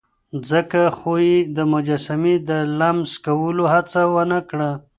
ځکه خو يې د مجسمې د لمس کولو هڅه ونه کړه.